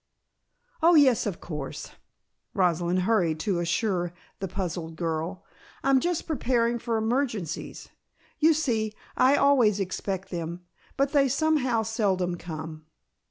"Oh, yes, of course," Rosalind hurried to assure the puzzled girl. "I'm just preparing for emergencies. You see, I always expect them, but they somehow seldom come."